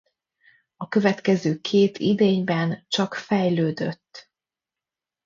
A következő két idényben csak fejlődött.